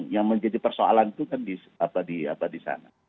yang menjadi persoalan itu kan di sana